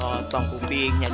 pertama kali siap kan ya pak